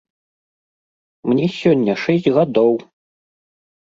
Мне сёння шэсць гадоў!